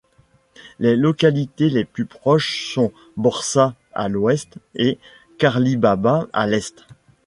Les localités les plus proches sont Borșa à l'ouest et Cârlibaba à l'est.